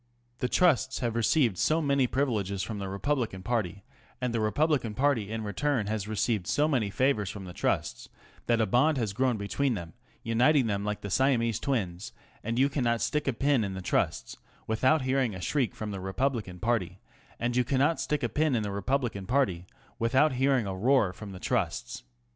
The Trusts have received so many privileges from the Repub lican party, and the Republican party in return has received so many favours from the Trusts, that a bond has grown between them, uniting them like the Siamese twins, and you cannot slick a pin in the Trusts without hearing a shriek from the Republican party ; and you cannot stick a pin in the Republican party without hearing a roar from the Trusts.